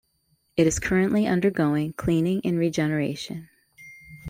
It is currently undergoing cleaning and regeneration.